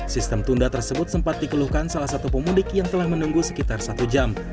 sistem tunda tersebut sempat dikeluhkan salah satu pemudik yang telah menunggu sekitar satu jam